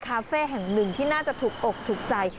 คาเฟ่แห่งหนึ่งที่น่าจะถูกอกถูกใจ